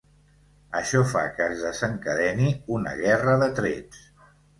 Això fa que es desencadeni una guerra de trets.